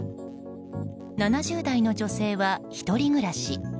７０代の女性は１人暮らし。